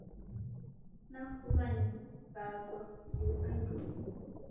Nakuw'a nikagwa bu andonyi.